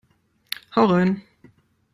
Hau rein!